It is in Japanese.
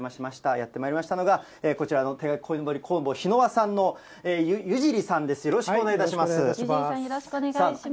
やってまいりましたのが、こちらの手描き鯉のぼり工房ヒノワさんの湯尻さんです、よろしくよろしくお願いいたします。